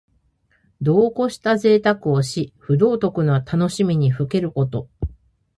度をこしたぜいたくをし、不道徳な楽しみにふけること。